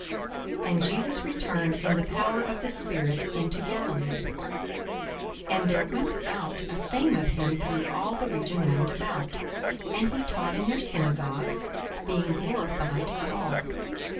42:004:014 And Jesus returned in the power of the Spirit into Galilee: and there went out a fame of him through all the region round about. 42:004:015 And he taught in their synagogues, being glorified of all.